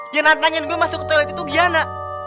dia nantangin gue masuk ke toilet itu giana